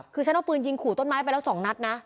คือฉันเอาปืนยิงขู่ต้นไม้ไปแล้ว๒นัดนะ